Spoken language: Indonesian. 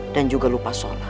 dan juga berjudi dengan kamu